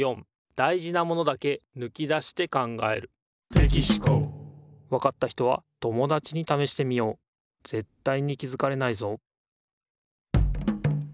つまりわかった人は友だちにためしてみようぜったいに気づかれないぞ